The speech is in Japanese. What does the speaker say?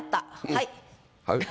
「はい」。